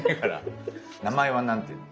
名前は何て言うの？